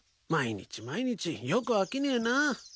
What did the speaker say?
毎日毎日よく飽きねえな。